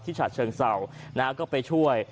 ฉะเชิงเศร้านะฮะก็ไปช่วย